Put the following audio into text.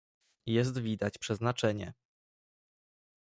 "Jest widać przeznaczenie."